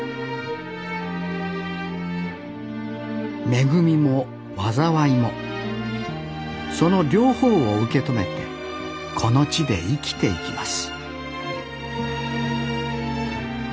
恵みも災いもその両方を受け止めてこの地で生きていきます